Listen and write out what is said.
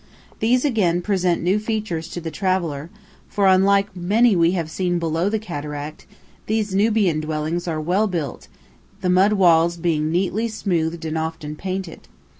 These again present new features to the traveller, for, unlike many we have seen below the cataract, these Nubian dwellings are well built, the mud walls being neatly smoothed and often painted.